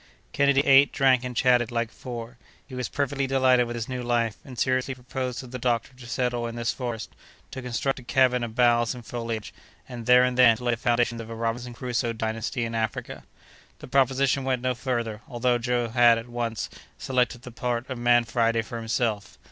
Kennedy ate, drank, and chatted, like four; he was perfectly delighted with his new life, and seriously proposed to the doctor to settle in this forest, to construct a cabin of boughs and foliage, and, there and then, to lay the foundation of a Robinson Crusoe dynasty in Africa. The proposition went no further, although Joe had, at once, selected the part of Man Friday for himself.